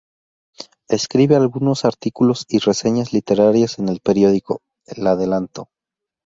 Escribe algunos artículos y reseñas literarias en el periódico "El Adelanto".